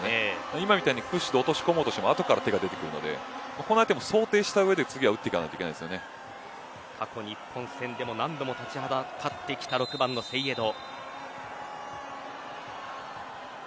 今みたいにプッシュで押し込もうとしても後から手が出てくるのでここまでを想定した上で、次は過去、日本戦でも何度も立ちはだかってきた６番のセイエド。